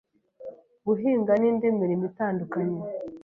guhinga n’indi mirimo itandukanye